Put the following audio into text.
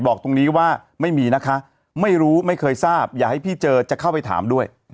บอกตรงนี้ว่าไม่มีนะคะไม่รู้ไม่เคยทราบอย่าให้พี่เจอจะเข้าไปถามด้วย